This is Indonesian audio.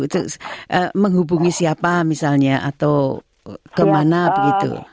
itu menghubungi siapa misalnya atau kemana begitu